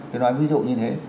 tôi nói ví dụ như thế